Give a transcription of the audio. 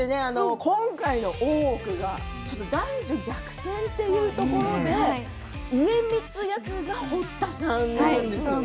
今回の「大奥」は男女逆転というところで家光役が堀田さんなんですよね。